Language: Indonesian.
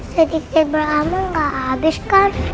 sedikit beramah nggak habis kan